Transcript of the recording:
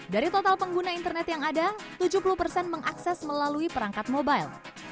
dari total pengguna internet yang ada tujuh puluh persen mengakses melalui perangkat mobile